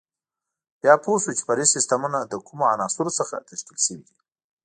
بیا پوه شو چې فرعي سیسټمونه له کومو عناصرو څخه تشکیل شوي دي.